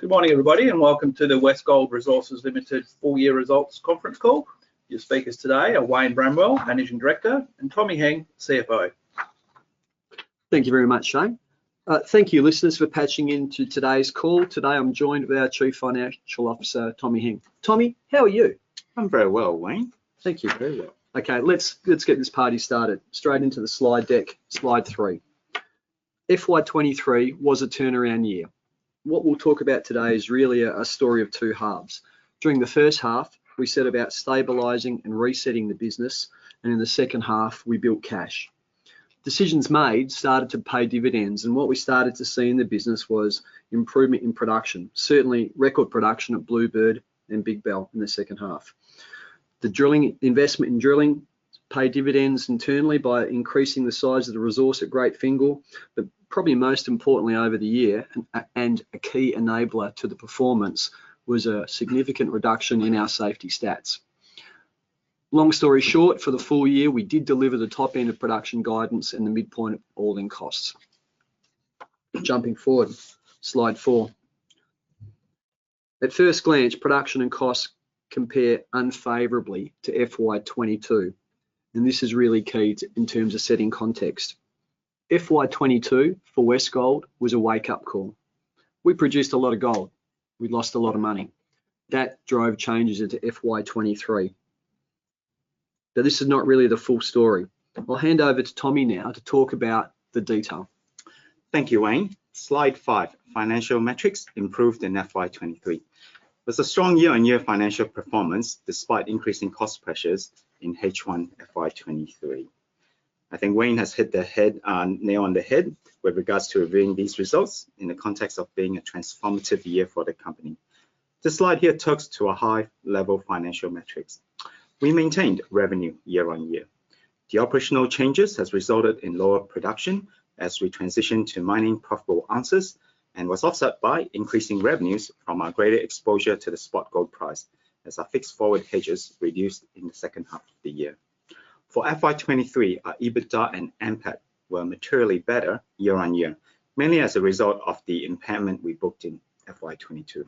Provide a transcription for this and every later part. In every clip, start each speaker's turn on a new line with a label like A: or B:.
A: Good morning, everybody. Welcome to the Westgold Resources Limited full year results conference call. Your speakers today are Wayne Bramwell, Managing Director, and Tommy Heng, CFO.
B: Thank you very much, Shane. Thank you, listeners, for patching into today's call. Today, I'm joined by our Chief Financial Officer, Tommy Heng. Tommy, how are you?
C: I'm very well, Wayne. Thank you.
B: Very well. Okay, let's, let's get this party started. Straight into the slide deck. Slide three. FY23 was a turnaround year. What we'll talk about today is really a, a story of two halves. During the first half, we set about stabilizing and resetting the business, and in the second half, we built cash. Decisions made started to pay dividends, and what we started to see in the business was improvement in production. Certainly, record production at Bluebird and Big Bell in the second half. The drilling, investment in drilling paid dividends internally by increasing the size of the resource at Great Fingall. But probably most importantly over the year, and a key enabler to the performance, was a significant reduction in our safety stats. Long story short, for the full year, we did deliver the top end of production guidance and the midpoint of All-in Costs. Jumping forward, slide four. At first glance, production and costs compare unfavorably to FY22. This is really key to, in terms of setting context. FY22 for Westgold was a wake-up call. We produced a lot of gold. We lost a lot of money. That drove changes into FY23. This is not really the full story. I'll hand over to Tommy now to talk about the detail.
C: Thank you, Wayne. slide five, financial metrics improved in FY23. It was a strong year-on-year financial performance, despite increasing cost pressures in H1 FY23. I think Wayne has hit the head, nail on the head with regards to reviewing these results in the context of being a transformative year for the company. This slide here talks to a high-level financial metrics. We maintained revenue year on year. The operational changes has resulted in lower production as we transitioned to mining profitable ounces, and was offset by increasing revenues from our greater exposure to the spot gold price, as our fixed forward hedges reduced in the second half of the year. For FY23, our EBITDA and NPAT were materially better year on year, mainly as a result of the impairment we booked in FY22.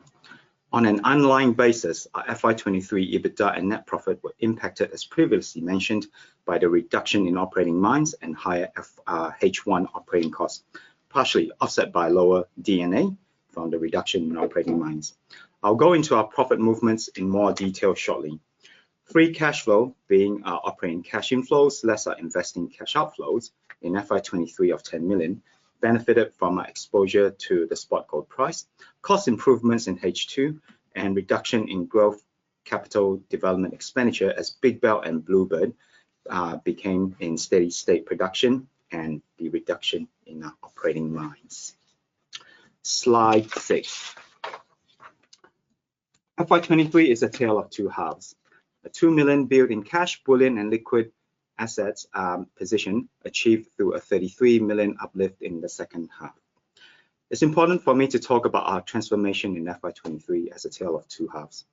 C: On an underlying basis, our FY23 EBITDA and NPAT were impacted, as previously mentioned, by the reduction in operating mines and higher H1 operating costs, partially offset by lower D&A from the reduction in operating mines. I'll go into our profit movements in more detail shortly. Free cash flow being our operating cash inflows, less our investing cash outflows in FY23 of 10 million, benefited from our exposure to the spot gold price, cost improvements in H2, and reduction in growth development capital expenditure, as Big Bell and Bluebird became in steady-state production and the reduction in our operating mines. Slide six. FY23 is a tale of two halves. A 2 million build in cash, bullion and liquid assets position achieved through a 33 million uplift in the second half. It's important for me to talk about our transformation in FY23 as a tale of two halves.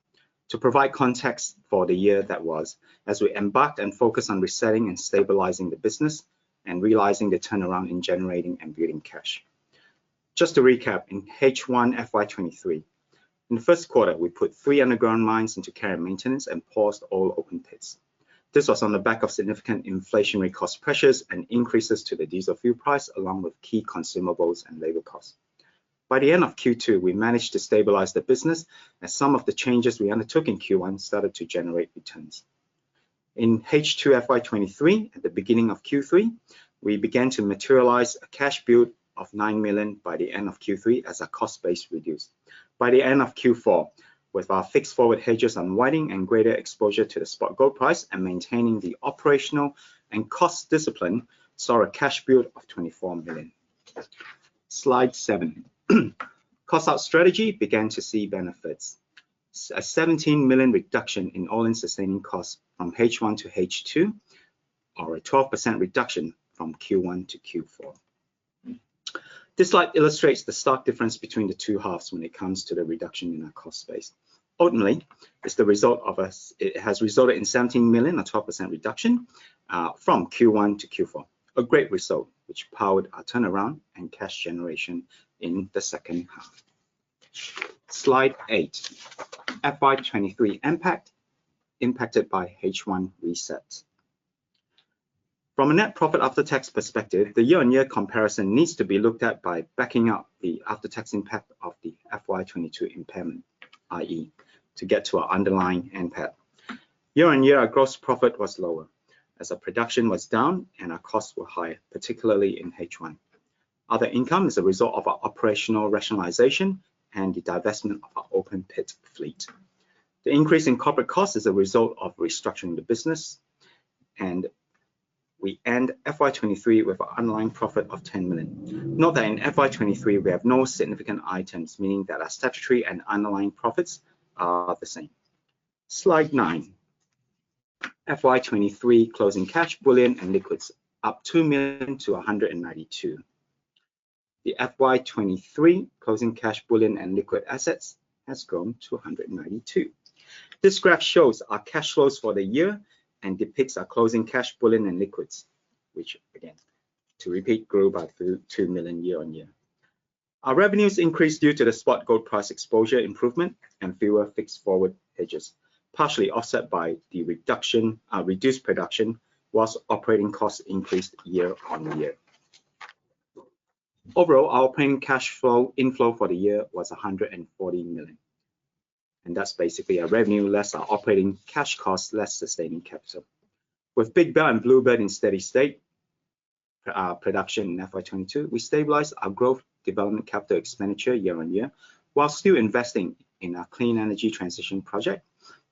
C: To provide context for the year that was, as we embarked and focused on resetting and stabilizing the business and realizing the turnaround in generating and building cash. Just to recap, in H1 FY23, in the first quarter, we put three underground mines into care and maintenance and paused all open pits. This was on the back of significant inflationary cost pressures and increases to the diesel fuel price, along with key consumables and labor costs. By the end of Q2, we managed to stabilize the business as some of the changes we undertook in Q1 started to generate returns. In H2 FY23, at the beginning of Q3, we began to materialize a cash build of 9 million by the end of Q3 as our cost base reduced. By the end of Q4, with our fixed forward hedges unwinding and greater exposure to the spot gold price and maintaining the operational and cost discipline, saw a cash build of 24 million. Slide seven. Cost out strategy began to see benefits. A 17 million reduction in All-in Sustaining Costs from H1 to H2, or a 12% reduction from Q1 to Q4. This slide illustrates the stark difference between the two halves when it comes to the reduction in our cost base. Ultimately, it has resulted in 17 million, a 12% reduction from Q1 to Q4. A great result, which powered our turnaround and cash generation in the second half. Slide eight, FY23 NPAT impacted by H1 reset. From a net profit after tax perspective, the year-on-year comparison needs to be looked at by backing up the after-tax impact of the FY22 impairment, i.e., to get to our underlying NPAT. Year-on-year, our gross profit was lower as our production was down and our costs were higher, particularly in H1. Other income is a result of our operational rationalization and the divestment of our open pit fleet. The increase in corporate cost is a result of restructuring the business, and we end FY23 with an underlying profit of 10 million. Note that in FY23, we have no significant items, meaning that our statutory and underlying profits are the same. Slide nine. FY23, closing cash, bullion, and liquids up 2 million to 192 million. The FY23, closing cash, bullion, and liquid assets has grown to 192 million. This graph shows our cash flows for the year and depicts our closing cash bullion and liquids, which again, to repeat, grew by 32 million year-on-year. Our revenues increased due to the spot gold price exposure improvement and fewer fixed forward hedges, partially offset by the reduction, reduced production, while operating costs increased year-on-year. Overall, our operating cash flow inflow for the year was 140 million. That's basically our revenue, less our operating cash costs, less sustaining capital. With Big Bell and Bluebird in steady state, our production in FY22, we stabilized our growth development capital expenditure year-on-year, while still investing in our Clean Energy Transition initiative,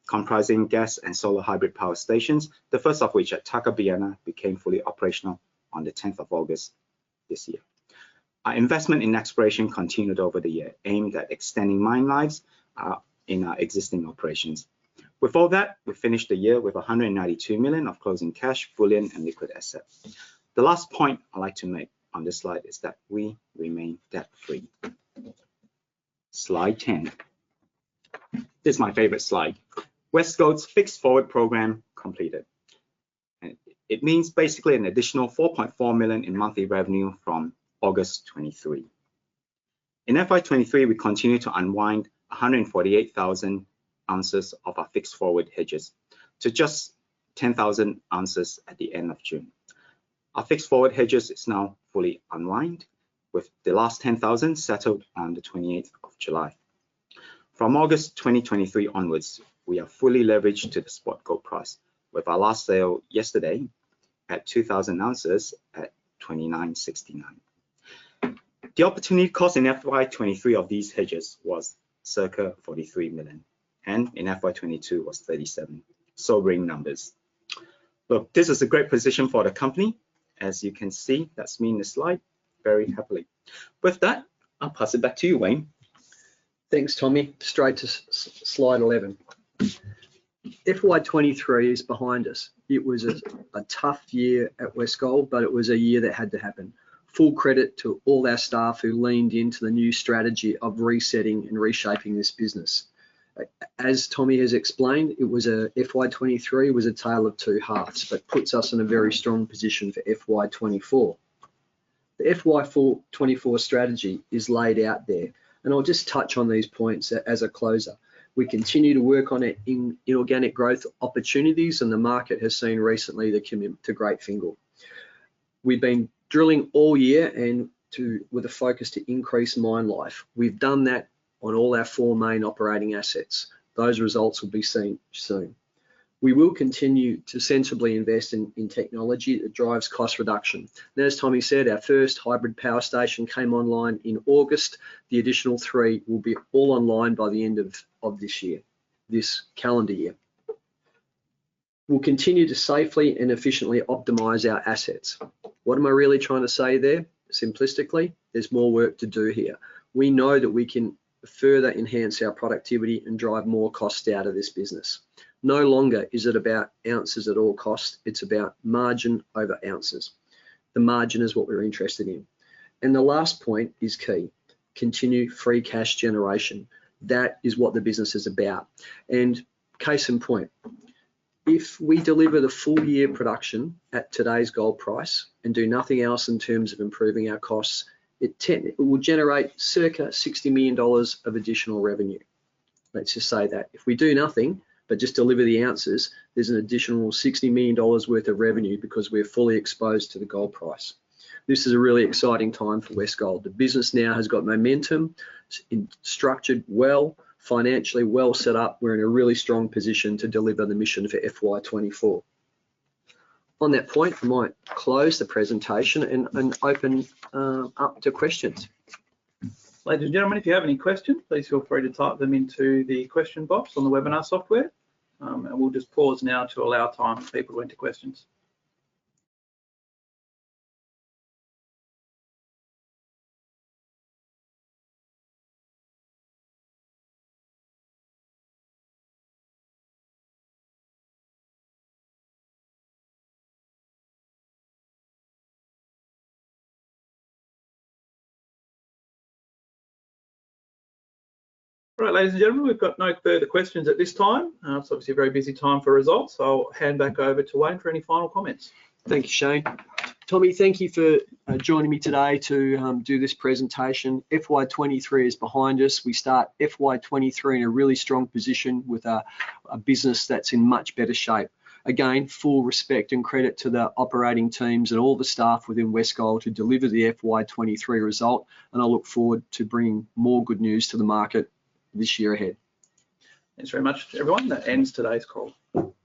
C: comprising gas and solar hybrid power stations, the first of which at Tuckabianna, became fully operational on the tenth of August this year. Our investment in exploration continued over the year, aimed at extending mine lives, in our existing operations. With all that, we finished the year with 192 million of closing cash, bullion and liquid assets. The last point I'd like to make on this slide is that we remain debt-free. Slide 10. This is my favorite slide. Westgold's fixed forward program completed. It means basically an additional 4.4 million in monthly revenue from August 2023. In FY23, we continued to unwind 148,000 ounces of our fixed forward hedges to just 10,000 ounces at the end of June. Our fixed forward hedges is now fully unwind, with the last 10,000 settled on the 28th of July. From August 2023 onwards, we are fully leveraged to the spot gold price, with our last sale yesterday at 2,000 ounces at 2,969. The opportunity cost in FY23 of these hedges was circa 43 million, and in FY22 was 37 million. Sobering numbers. Look, this is a great position for the company, as you can see, that's me in the slide, very happily. With that, I'll pass it back to you, Wayne.
B: Thanks, Tommy. Straight to slide 11. FY23 is behind us. It was a tough year at Westgold. It was a year that had to happen. Full credit to all our staff who leaned into the new strategy of resetting and reshaping this business. As Tommy has explained, FY23 was a tale of two halves. It puts us in a very strong position for FY24. The FY24 strategy is laid out there. I'll just touch on these points as a closer. We continue to work on it in inorganic growth opportunities. The market has seen recently the commit to Great Fingall. We've been drilling all year with a focus to increase mine life. We've done that on all our four main operating assets. Those results will be seen soon. We will continue to sensibly invest in technology that drives cost reduction. As Tommy said, our first hybrid power station came online in August. The additional three will be all online by the end of this year, this calendar year. We'll continue to safely and efficiently optimize our assets. What am I really trying to say there? Simplistically, there's more work to do here. We know that we can further enhance our productivity and drive more costs out of this business. No longer is it about ounces at all costs, it's about margin over ounces. The margin is what we're interested in. The last point is key: continued free cash generation. That is what the business is about. Case in point, if we deliver the full year production at today's gold price and do nothing else in terms of improving our costs, it will generate circa 60 million dollars of additional revenue. Let's just say that. If we do nothing but just deliver the ounces, there's an additional 60 million dollars worth of revenue because we're fully exposed to the gold price. This is a really exciting time for Westgold. The business now has got momentum, it's structured well, financially well set up. We're in a really strong position to deliver the mission for FY24. On that point, I might close the presentation and open up to questions.
A: Ladies and gentlemen, if you have any questions, please feel free to type them into the question box on the webinar software. We'll just pause now to allow time for people to enter questions. All right, ladies and gentlemen, we've got no further questions at this time. It's obviously a very busy time for results. I'll hand back over to Wayne for any final comments.
B: Thank you, Shane. Tommy, thank you for joining me today to do this presentation. FY23 is behind us. We start FY23 in a really strong position with a business that's in much better shape. Again, full respect and credit to the operating teams and all the staff within Westgold to deliver the FY23 result, and I look forward to bringing more good news to the market this year ahead.
A: Thanks very much, everyone. That ends today's call.